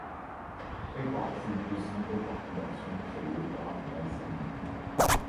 Elle participe aussi au Parti d'action créé par Mazzini.